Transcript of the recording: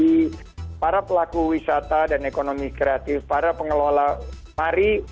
nah ini yang menurut bagi para pelaku wisata dan ekonomi kreatif para pengelola football senjata lebaran karena aspek safety nya tidak dijaga